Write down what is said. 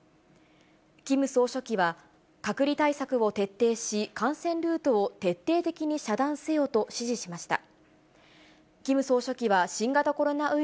キム総書記は、隔離対策を徹底し、感染ルートを徹底的に遮断せよと指示しました。